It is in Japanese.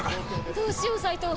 どうしよう斎藤。